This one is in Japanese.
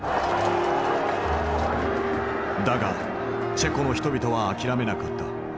だがチェコの人々は諦めなかった。